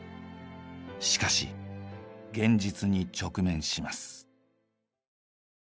しかし現実に直面します。